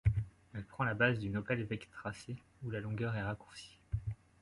Elle prend la base d'une Opel Vectra C où la longueur est raccourcie.